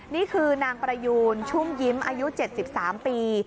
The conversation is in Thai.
นี่คือนางประยูนชุ่มยิ้มอายุ๗๓ปี